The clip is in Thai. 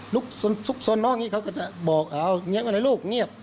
ลูกทรุ้งซ่วนนอกนี้เขาก็จะบอกเอาเงี๊ยบนะหล่อยลูกเงี๊ยบ